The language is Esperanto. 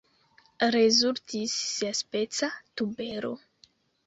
Rezultis siaspeca tubero.